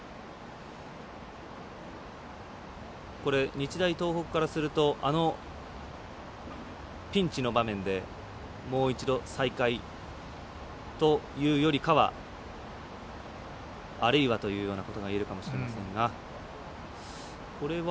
日大東北からするとあのピンチの場面でもう一度、再開というよりかはあるいはというようなことがいえるかもしれませんが。